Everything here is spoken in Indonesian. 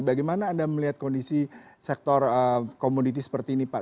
bagaimana anda melihat kondisi sektor komoditi seperti ini pak